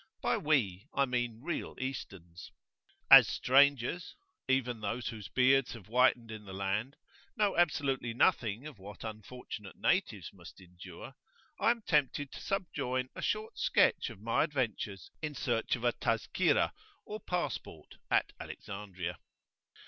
By we, I mean real Easterns. As strangers even those whose beards have whitened in the land know absolutely nothing of what unfortunate natives must endure, I am tempted to subjoin a short [p.19]sketch of my adventures in search of a Tazkirah, or passport, at Alexandria.